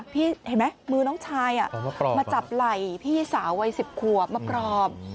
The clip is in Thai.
พี่เห็นไหมมือน้องชายมาจับไหล่พี่สาววัย๑๐ขวบมาปลอบ